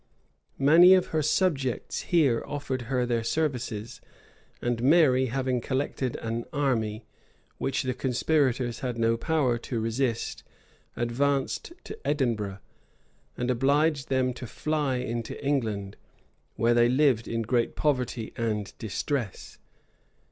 Many of her subjects here offered her their services; and Mary, having collected an army, which the conspirators had no power to resist, advanced to Edinburgh, and obliged them to fly into England, where they lived in great poverty and distress.